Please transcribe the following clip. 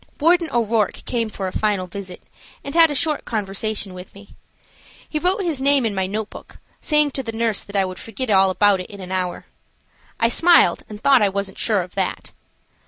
Warden O'Rourke came for a final visit and had a short conversation with me. He wrote his name in my notebook, saying to the nurse that I would forget all about it in an hour. I smiled and thought I wasn't sure of that.